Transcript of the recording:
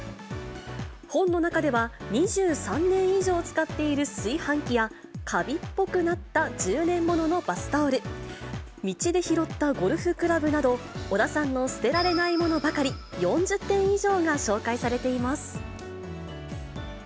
本の中では、２３年以上使っている炊飯器や、かびっぽくなった１０年物のバスタオル、道で拾ったゴルフクラブなど、小田さんの捨てられないものばかり４０点以上が紹介されています。